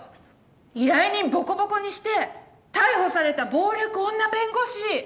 依頼人ぼこぼこにして逮捕された暴力女弁護士。